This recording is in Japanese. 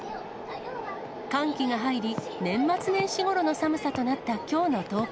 寒気が入り、年末年始ごろの寒さとなったきょうの東京。